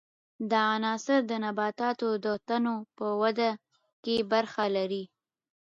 دا عنصر د نباتاتو د تنو په ودې کې برخه لري.